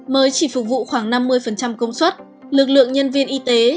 mới chỉ phục vụ khoảng năm mươi công suất lực lượng nhân viên y tế